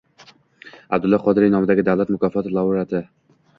Abdulla Qodiriy nomidagi Davlat mukofoti laureati